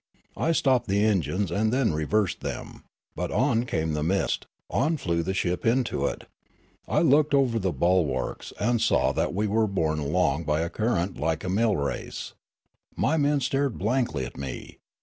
I stopped the engines and then reversed them. But on came the mist ; on flew the ship into it. I looked over the bulwarks, and saw that we were borne along by a current like a mill race. My men stared blankly at me.